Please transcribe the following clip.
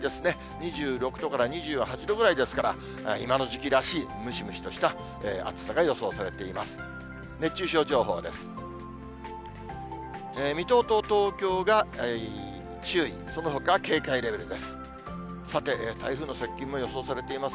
２６度から２８度ぐらいですから、今の時期らしいムシムシとした暑さが予想されています。